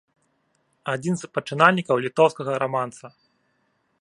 Адзін з пачынальнікаў літоўскага раманса.